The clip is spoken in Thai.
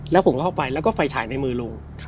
แล้วผมก็เข้าไปแล้วก็ไฟฉายในมือลุง